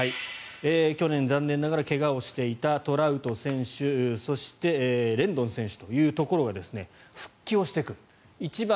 去年、残念ながら怪我をしていたトラウト選手、そしてレンドン選手というところが復帰をしてくる。